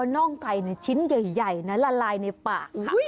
น่องไก่ชิ้นใหญ่นะละลายในปากค่ะ